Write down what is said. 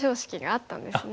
あっそうですね。